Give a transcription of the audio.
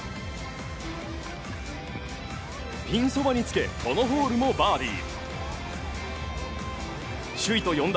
ピンそばにつけこのホールもバーディー。